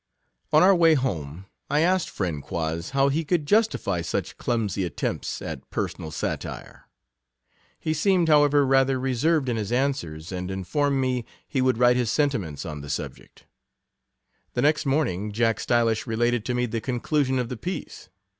On our way home, I asked friend Quoz, how he could justify such clum sy attempts at personal satire. He seemed, however, rather reserved in his answers, and informed me, he would write his sentiments on the subject. The next morning, Jack Stylish related to ine the conclusion of the piece.